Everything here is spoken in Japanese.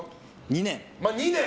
２年。